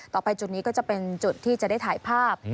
ต่อไปจุดนี้ก็จะเป็นจุดที่จะได้ถ่ายภาพ